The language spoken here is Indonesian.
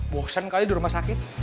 bosen kali di rumah sakit